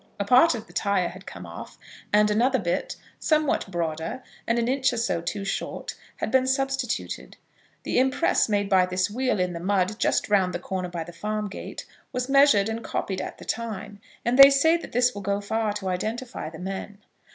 A part of the tire had come off, and another bit, somewhat broader, and an inch or so too short, had been substituted. The impress made by this wheel in the mud, just round the corner by the farm gate, was measured and copied at the time, and they say that this will go far to identify the men.